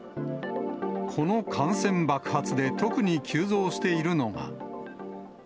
この感染爆発で特に急増しているのが。